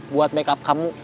buat makeup kamu